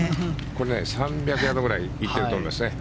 これ、３００ヤードぐらい行っていると思いますね。